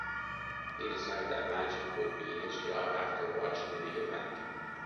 He decided that magic would be his job after watching the event.